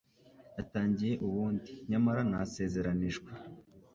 yatangiye ubundi nyamara nasezeranijwe